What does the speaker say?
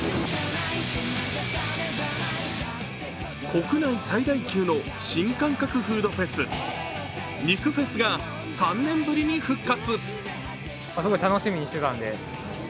国内最大級の新感覚フードフェス、肉フェスが３年ぶりに復活。